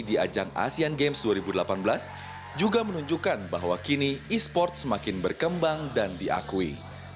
di ajang asean games dua ribu delapan belas juga menunjukkan bahwa kini e sports semakin berkembang dan diakui